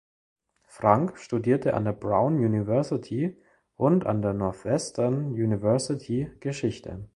Frank studierte an der Brown University und an der Northwestern University Geschichte.